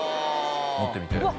持ってみて。